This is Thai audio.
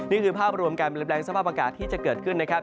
นี่คือภาพรวมการเปลี่ยนแปลงสภาพอากาศที่จะเกิดขึ้นนะครับ